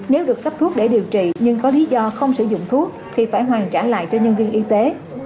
nếu được cấp thuốc để điều trị nhưng có lý do không sử dụng thuốc thì phải hoàn trả lại cho nhân viên y tế